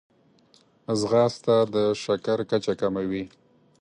ځغاسته د شکر کچه کموي